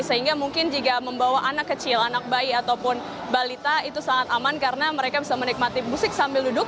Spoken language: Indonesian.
sehingga mungkin jika membawa anak kecil anak bayi ataupun balita itu sangat aman karena mereka bisa menikmati musik sambil duduk